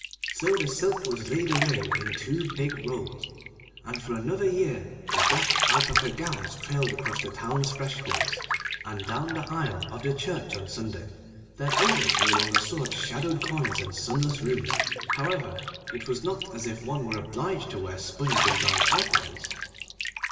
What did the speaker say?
So the silk was laid away in two big rolls, and for another year the old black alpaca gowns trailed across the town's thresholds and down the aisle of the church on Sunday. Their owners no longer sought shadowed corners and sunless rooms, however; it was not as if one were obliged to wear sponged and darned alpacas!